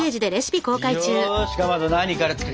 よしかまど何から作りますか？